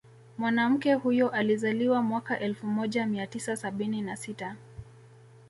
Mwanamke huyo alizaliwa mwaka elfu moja mia tisa sabini na sita